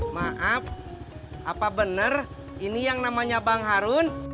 maaf apa benar ini yang namanya bang harun